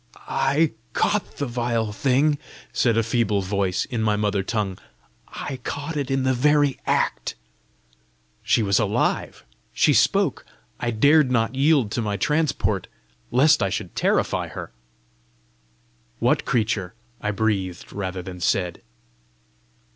"I caught the vile thing," said a feeble voice, in my mother tongue; "I caught it in the very act!" She was alive! she spoke! I dared not yield to my transport lest I should terrify her. "What creature?" I breathed, rather than said.